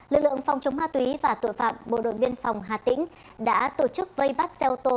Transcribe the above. lực lượng phòng chống ma túy và tội phạm bộ đội biên phòng hà tĩnh đã tổ chức vây bắt xe ô tô